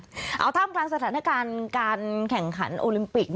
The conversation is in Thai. เอาท่ามกลางสถานการณ์การแข่งขันโอลิมปิก